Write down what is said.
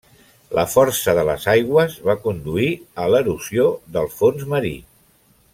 La força de les aigües va conduir a l'erosió del fons marí.